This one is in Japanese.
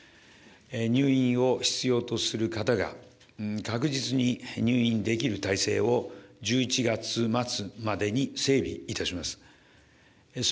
入院を必要とする方が、確実に入院できる体制を、１１月末までに整備いたします。